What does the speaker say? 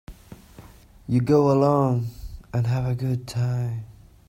You go along and have a good time.